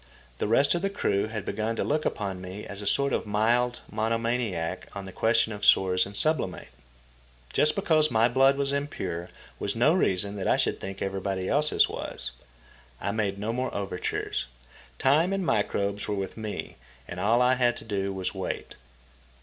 The rest of the crew had begun to look upon me as a sort of mild mono maniac on the question of sores and sublimate. Just because my blood was impure was no reason that I should think everybody else's was. I made no more overtures. Time and microbes were with me, and all I had to do was wait.